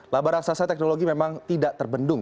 labar raksasa teknologi memang tidak terbendung